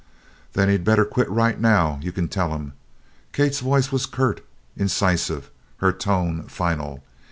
"Then he'd better quit right now you can tell him." Kate's voice was curt, incisive, her tone final.